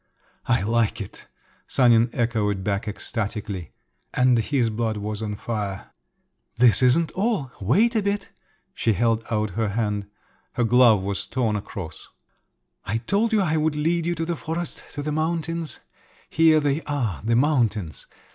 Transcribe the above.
"I like it!" Sanin echoed back ecstatically. And his blood was on fire. "This isn't all, wait a bit." She held out her hand. Her glove was torn across. "I told you I would lead you to the forest, to the mountains…. Here they are, the mountains!"